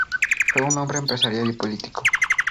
Fue un hombre empresarial y político.